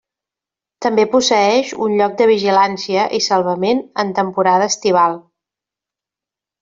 També posseeix un lloc de vigilància i salvament en temporada estival.